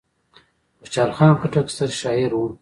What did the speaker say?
خوشحال خان خټک ستر شاعر و.